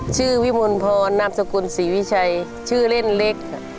ชื่อวิมลพรนามสกุลศรีวิชัยชื่อเล่นเล็กค่ะ